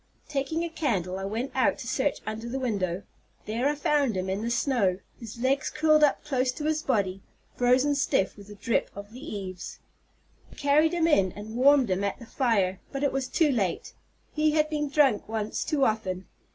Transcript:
Taking a candle, I went out to search under the window. There I found him in the snow, his legs curled up close to his body, frozen stiff with the drip of the eaves. I carried him in and warmed him at the fire, but it was too late. He had been drunk once too often.